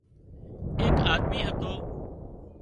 ايڪ آۮمي هتو